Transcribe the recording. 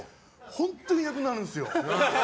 本当にいなくなるんですよ。